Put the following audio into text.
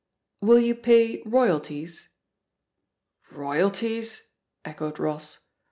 Will you pay royalties?" Royalties?" echoed Ross.